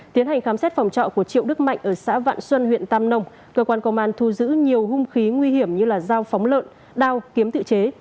tiến hành khám xét phòng trọ của triệu đức mạnh ở xã vạn xuân huyện tam nông cơ quan công an thu giữ nhiều hung khí nguy hiểm như dao phóng lợn đao kiếm tự chế